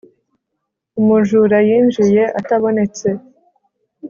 umujura yinjiye atabonetse